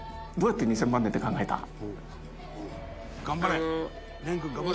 どうやって２０００万年って考えた？